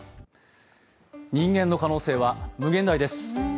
人間の可能性は無限大です。